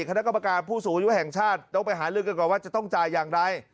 คณะกรรมการผู้สูงอายุแห่งชาติต้องไปหาเรื่องกันก่อนว่าจะต้องจ่ายอย่างไร